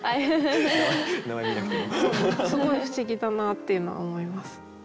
すごい不思議だなっていうのは思います。